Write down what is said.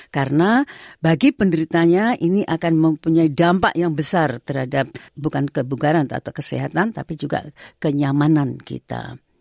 karena bagi penderitanya ini akan mempunyai dampak yang besar terhadap bukan kebugaran atau kesehatan tapi juga kenyamanan kita